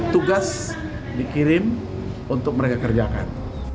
tugas dikirim untuk mereka kerjakan